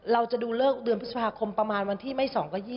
เราจะดูเลิกเดือนพฤษภาคมประมาณวันที่ไม่๒ก็๒๐